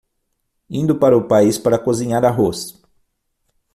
Indo para o país para cozinhar arroz